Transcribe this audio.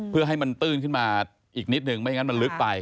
เพื่อให้มันตื้นขึ้นมาอีกนิดนึงไม่งั้นมันลึกไป